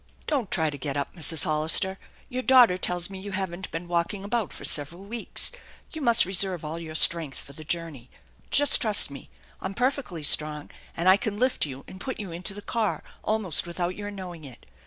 " Don't try to get up, Mrs. Hollister. Your daughter tells me you haven't been walking about for several weeks. You must reserve all your strength for the journey. Just trust me. I'm perfectly strong, and I can lift you and put you into the car almost without your knowing it.